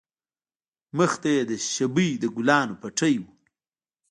مخې ته يې د شبۍ د گلانو پټى و.